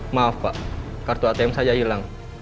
maaf pak kartu atm saja hilang